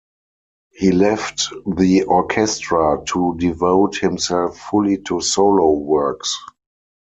He left the Orchestra to devote himself fully to solo works.